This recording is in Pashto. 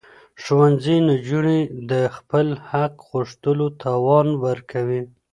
ښوونځي نجونې د خپل حق غوښتلو توان ورکوي.